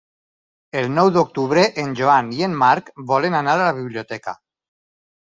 El nou d'octubre en Joan i en Marc volen anar a la biblioteca.